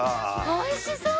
おいしそう！